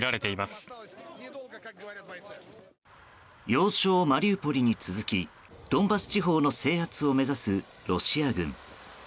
要衝マリウポリに続きドンバス地方の制圧を目指すロシア軍。